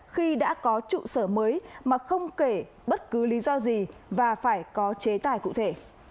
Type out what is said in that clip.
khi đã có trụ sở mới mà không kể bất cứ lý do gì và phải có chế tài cụ thể